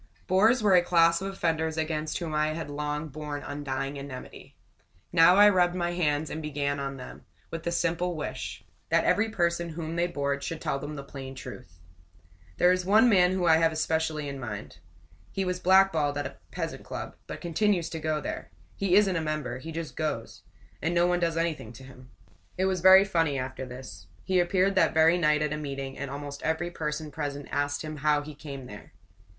Bores were a class of offenders against whom I had long borne undying enmity. Now I rubbed my hands and began on them, with this simple wish: That every person whom they bored should tell them the plain truth. There is one man whom I have specially in mind. He was blackballed at a pleasant club, but continues to go there. He isn't a member he just goes; and no one does anything to him. It was very funny after this. He appeared that very night at a meeting, and almost every person present asked him how he came there.